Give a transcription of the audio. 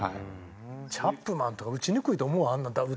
チャップマンとか打ちにくいと思うわあんなん打て！